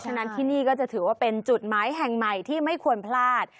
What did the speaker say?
ฉะนั้นที่นี่ก็จะถือว่าเป็นจุดหมายแห่งใหม่ที่ไม่ควรพลาด